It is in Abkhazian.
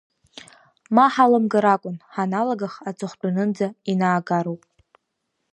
Ма ҳаламгар акәын, ҳаналагах аҵыхәтәанынӡа инаагароуп.